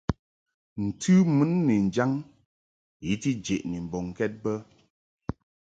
Ntɨ mun ni njaŋ i ti jeʼni mbɔŋkɛd bə.